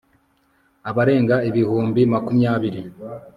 abarenga ibihumbi makumyabiri